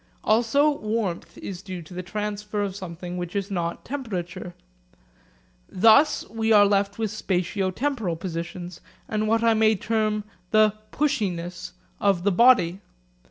Also warmth is due to the transfer of something which is not temperature. Thus we are left with spatio temporal positions, and what I may term the 'pushiness' of the body.